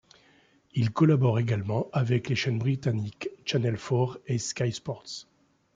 Il collabore également avec les chaînes britanniques Channel Four et Sky Sports.